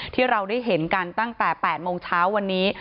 ที่เราได้เห็นกันตั้งแต่๘โมงเช้าวันนี้